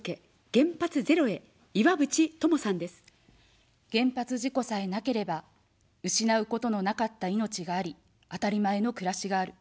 原発事故さえなければ、失うことのなかった命があり、あたりまえの暮らしがある。